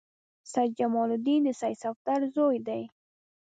سید جمال الدین د سید صفدر زوی دی.